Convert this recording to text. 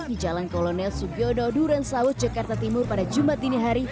di jalan kolonel sugiyodo duran sawut jakarta timur pada jumat dinihari